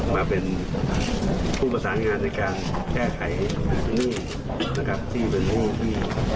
คุณผู้ประสานงานในการแก้ไขเงินนี่ที่เป็นภูมิ